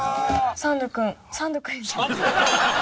「」「サンド君」？